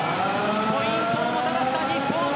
ポイントをもたらした日本。